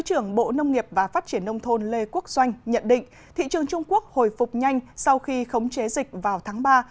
tổng thống lê quốc doanh nhận định thị trường trung quốc hồi phục nhanh sau khi khống chế dịch vào tháng ba